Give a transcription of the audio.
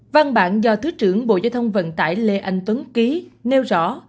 văn bản do thứ trưởng bộ giao thông vận tải lê anh tuấn ký nêu rõ